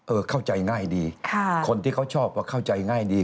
เข้าใจง่ายดีคนที่เขาชอบก็เข้าใจง่ายดี